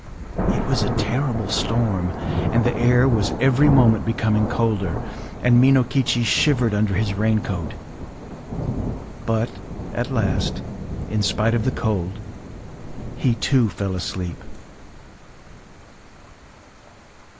It was a terrible storm; and the air was every moment becoming colder; and Minokichi shivered under his rain coat. But at last, in spite of the cold, he too fell asleep.